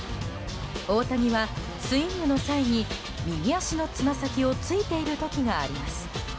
大谷はスイングの際に右足のつま先をついている時があります。